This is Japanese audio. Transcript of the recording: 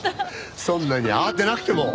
そんなに慌てなくても。